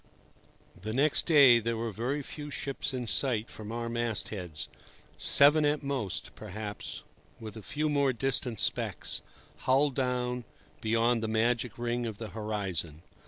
The next day there were very few ships in sight from our mast heads—seven at most, perhaps, with a few more distant specks, hull down, beyond the magic ring of the horizon.